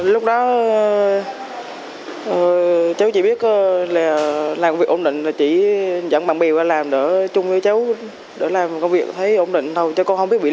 lúc đó cháu chỉ biết là làm công việc ổn định là chỉ dẫn bạn bè qua làm đỡ chung với cháu để làm công việc thấy ổn định thôi con không biết bị lừa